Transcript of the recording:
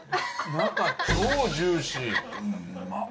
中超ジューシー！